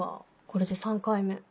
これで３回目。